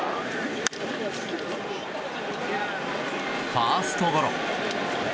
ファーストゴロ。